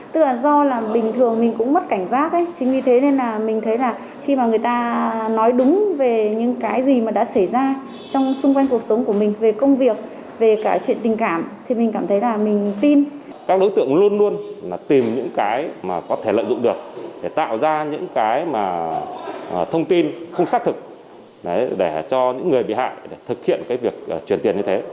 thông tin không xác thực để cho những người bị hại thực hiện việc truyền tiền như thế